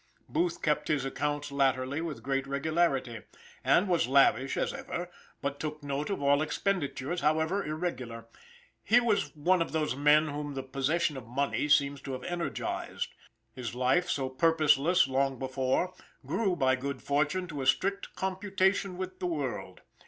Booth kept his accounts latterly with great regularity, and was lavish as ever, but took note of all expenditures, however irregular. He was one of those men whom the possession of money seems to have energized; his life, so purposeless long before, grew by good fortune to a strict computation with the world.